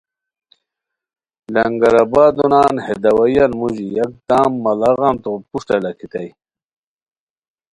لنگرآبادو نان بے داوائیو موژی یکدم ماڑاغان تو پروشٹہ لاکھیتائے